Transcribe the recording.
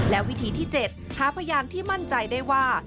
และวิธีที่๗หาพยานที่มั่นใจได้ว่า